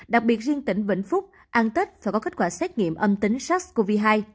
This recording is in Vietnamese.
đặc biệt riêng tỉnh vĩnh phúc ăn tết và có kết quả xét nghiệm âm tính sars cov hai